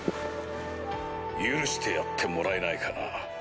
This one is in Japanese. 許してやってもらえないかな？